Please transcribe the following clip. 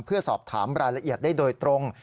เพื่อสอบถามรายละเอียดได้โดยตรง